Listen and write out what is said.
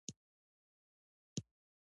هغه بیرته اندلس ته راځي.